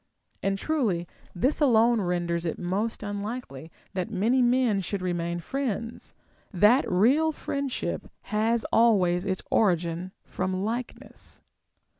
And truly, this alone renders it most unlikely that many men should remain friends, that real friendship has always its origin from like ness.